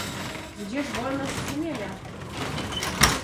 "Gdzież wolność sumienia?..."